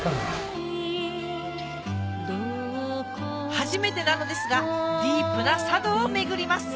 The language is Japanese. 初めてなのですがディープな佐渡を巡ります